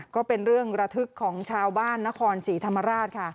ก็เป็นเรื่องระทึกของชาวบ้านนครศรีธรรมราชค่ะ